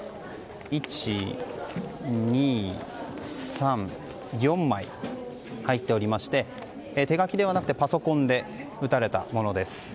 １、２、３４枚入っておりまして手書きではなくてパソコンで打たれたものです。